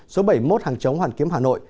số bảy mươi một hàng chống hoàn kiếm hà nội